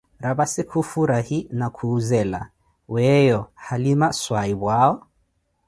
Raphassi khufurahi na kuh'zela: weeyo, halima swahiphu'awo?